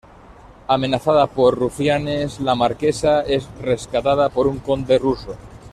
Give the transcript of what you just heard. Amenazada por rufianes, la marquesa es rescatada por un conde ruso.